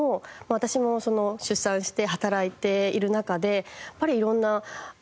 私も出産して働いている中でやっぱり色んなあの。